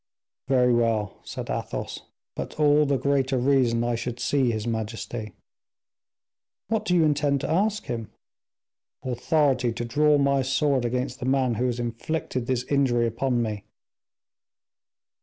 "Very well," said Athos, "but all the greater reason I should see his majesty." "What do you intend to ask him?" "Authority to draw my sword against the man who has inflicted this injury upon me."